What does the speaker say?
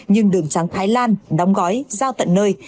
nhưng đường trắng thái lan đóng gói giao tận nơi